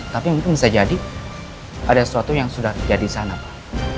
tapi mungkin bisa jadi ada sesuatu yang sudah terjadi sana pak